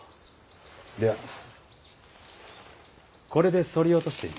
ではこれでそり落としてみよ。